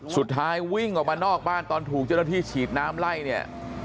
สุดท้ายวิ่งออกมานอกบ้านตอนถูกเจ้าหน้าที่ฉีดน้ำไล่เนี่ย